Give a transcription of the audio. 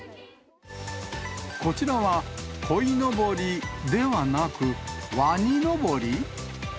こちらは、こいのぼりではなく、ワニのぼり？